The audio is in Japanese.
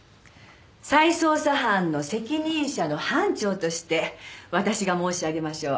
再捜査班の責任者の班長として私が申し上げましょう。